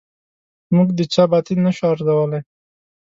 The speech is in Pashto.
موږ د چا باطن نه شو ارزولای.